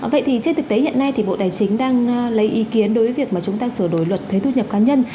vậy thì trên thực tế hiện nay thì bộ tài chính đang lấy ý kiến đối với việc mà chúng ta sửa đổi luật thuế thu nhập cá nhân